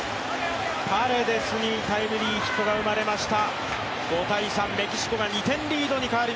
パレデスにタイムリーヒットが生まれました。